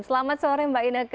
selamat sore mbak ineke